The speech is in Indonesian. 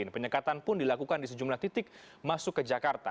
penyekatan pun dilakukan di sejumlah titik masuk ke jakarta